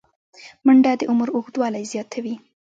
منډه د عمر اوږدوالی زیاتوي